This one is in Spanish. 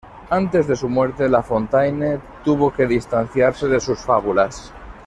Antes de su muerte, La Fontaine tuvo que distanciarse de sus fábulas.